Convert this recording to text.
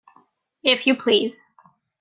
If you please.